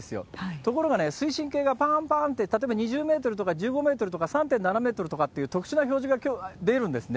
ところがね、水深計がぱーんぱーんって、例えば２０メートルとか１５メートルとか３．７メートルとかっていう特殊な表示が出るんですね。